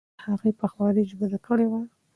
ایا هغې پخوانۍ ژمنه کړې وه؟